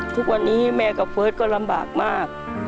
ทุกวันนี้แม่กับเฟิร์สก็ลำบากมาก